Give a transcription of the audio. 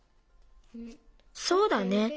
そうだね。